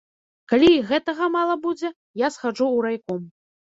Калі й гэтага мала будзе, я схаджу ў райком.